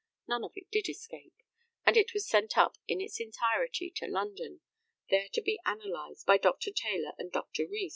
None of it did escape, and it was sent up in its entirety to London, there to be analysed by Dr. Taylor and Dr. Rees.